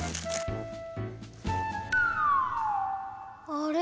あれ？